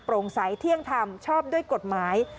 โปร่งใสเที่ยงทำชอบด้วยกฎหมาย